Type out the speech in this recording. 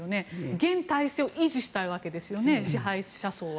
現体制を維持したいわけですよね支配者層は。